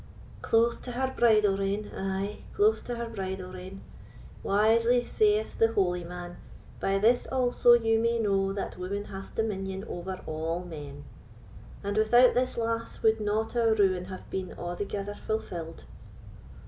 "Close to her bridle rein—ay, close to her bridle rein! Wisely saith the holy man, 'By this also you may know that woman hath dominion over all men'; and without this lass would not our ruin have been a'thegither fulfilled."